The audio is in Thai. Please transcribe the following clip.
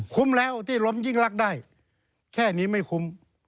แล้วที่ล้มยิ่งรักได้แค่นี้ไม่คุ้ม